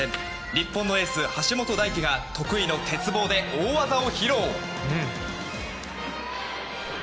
日本のエース、橋本大輝が得意の鉄棒で大技を披露。